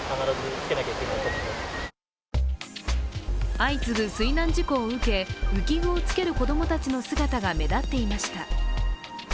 相次ぐ水難事故を受け浮き具をつける子供たちの姿が目立っていました。